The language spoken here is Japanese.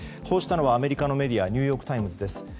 報じたのはアメリカのメディアニューヨーク・タイムズです。